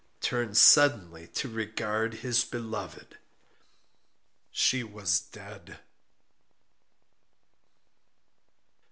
turned suddenly to regard his beloved:—She was dead!"